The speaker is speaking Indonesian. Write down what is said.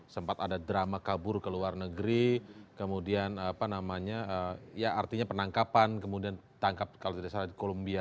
sempat ada drama kabur ke luar negeri kemudian apa namanya ya artinya penangkapan kemudian tangkap kalau tidak salah di columbia